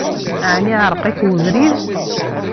Ɛni iɛṛeq-ak webrid?